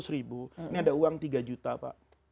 seratus ribu ini ada uang tiga juta pak